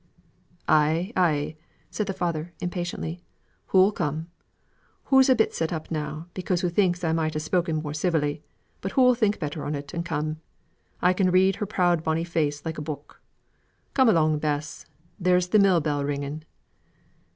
"Aye, aye," said the father, impatiently, "hoo'll come. Hoo's a bit set up now, because hoo thinks I might ha' spoken more civilly; but hoo'll think better on it, and come. I can read her proud bonny face like a book. Come along, Bess; there's the mill bell ringing."